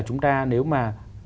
chúng ta nếu mà